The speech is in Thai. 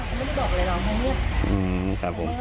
เขาไม่ได้บอกเลยเราไม่เงียบ